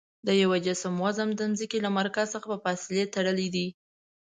د یوه جسم وزن د ځمکې له مرکز څخه په فاصلې تړلی دی.